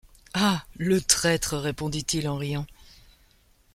Ah ! le traître, répondit-il en riant